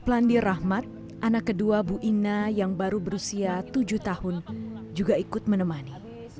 landi rahmat anak kedua bu ina yang baru berusia tujuh tahun juga ikut menemani